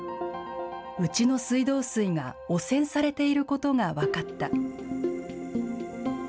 うちの水道水が汚染されていることが分かった。